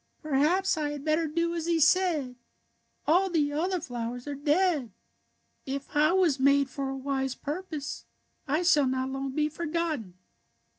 " Perhaps I had better do as he said. All the other flowers are dead. If I was made for a wise purpose I shall not long be forgot ten."